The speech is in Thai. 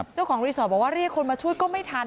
เจ้าของรีสอร์ทบอกว่าเรียกคนมาช่วยก็ไม่ทัน